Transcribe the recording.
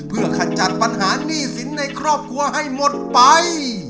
เพื่อขจัดปัญหาหนี้สินในครอบครัวให้หมดไป